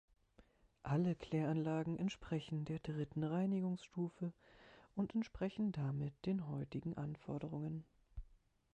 Alle Kläranlagen entsprechen der dritten Reinigungsstufe und entsprechen damit den heutigen Anforderungen.